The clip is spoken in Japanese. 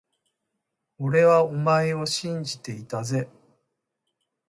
俺はお前を信じていたぜ…